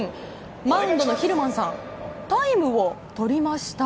マウンドのヒルマンさんタイムをとりました。